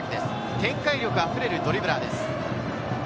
展開力溢れるドリブラーです。